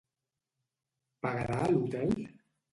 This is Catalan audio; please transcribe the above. Pagarà a l'hotel?